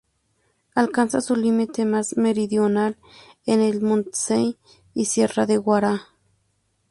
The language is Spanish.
Alcanza su límite más meridional en el Montseny y Sierra de Guara.